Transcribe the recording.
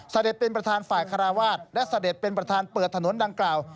เสด็จเป็นประธานฝ่ายคาราวาสและเสด็จเป็นประธานเปิดถนนดังกล่าว